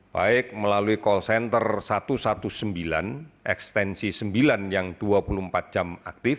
baik melalui call center satu ratus sembilan belas ekstensi sembilan yang dua puluh empat jam aktif